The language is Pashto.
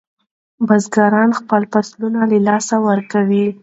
بزګران خپل فصلونه له لاسه ورکوي.